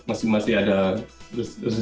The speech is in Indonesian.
yang lebih berapa di ijazah tidak boleh datang